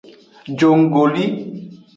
Jonggoli.